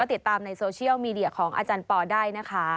ติดตามในโซเชียลมีเดียของอาจารย์ปอได้นะคะ